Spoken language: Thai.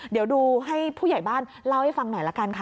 เดี๋ยวดูให้ผู้ใหญ่บ้านเล่าให้ฟังหน่อยละกันค่ะ